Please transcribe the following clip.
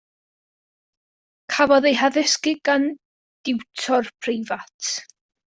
Cafodd ei haddysgu gan diwtor preifat.